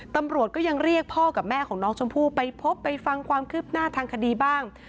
ตำรวจก็ยังเรียกพ่อกับแม่ของน้องชมพู่ไปพบไปฟังความคืบหน้าทางคดีบ้าง